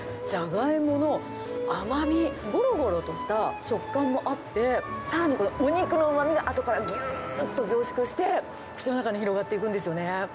ジャガイモの甘み、ごろごろとした食感もあって、さらにこれ、お肉のうまみがあとからぎゅーっと凝縮して、口の中に広がっていくんですよね。